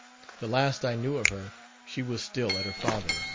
The last I knew of her she was still at her father's.